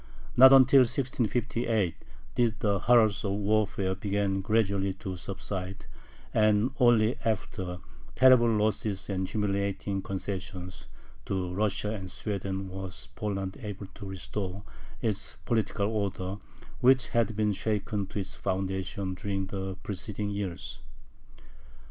Not until 1658 did the horrors of warfare begin gradually to subside, and only after terrible losses and humiliating concessions to Russia and Sweden was Poland able to restore its political order, which had been shaken to its foundation during the preceding years.